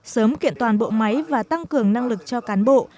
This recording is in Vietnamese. sớm kiện toàn bộ máy và tăng cường năng lực cho cán bộ